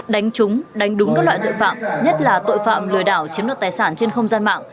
đánh trúng đánh đúng các loại tội phạm nhất là tội phạm lừa đảo chiếm đoạt tài sản trên không gian mạng